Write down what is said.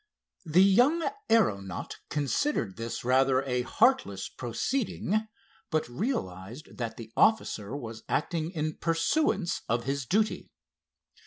The young aeronaut considered this rather a heartless proceeding, but realized that the officer was acting in pursuance of his duty.